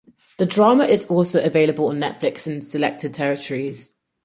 The drama is also available on Netflix in selected territories.